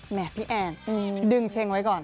แหมพี่แองดึงเช็งไว้ก่อน